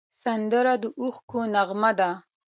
سندره د اوښکو نغمه ده